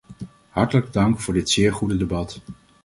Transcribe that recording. Hartelijk dank voor dit zeer goede debat.